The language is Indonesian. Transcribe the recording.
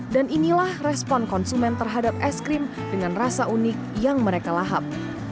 dan inilah respon konsumen terhadap es krim dengan rasa unik yang mereka lahap